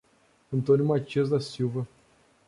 Antônio Mathias da Silva